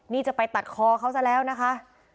นี่จะไปตัดคอเขาซะแล้วนะคะ